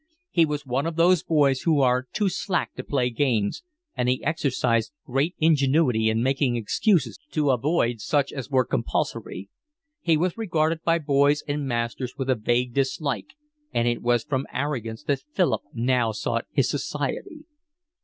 He was one of those boys who are too slack to play games, and he exercised great ingenuity in making excuses to avoid such as were compulsory. He was regarded by boys and masters with a vague dislike, and it was from arrogance that Philip now sought his society.